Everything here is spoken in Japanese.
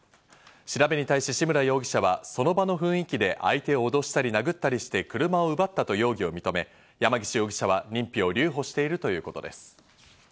調べに対し、志村容疑者はその場の雰囲気で相手をおどしたり殴ったりして車を奪ったと容疑を認め、山岸容疑者は認否を留保しているということです。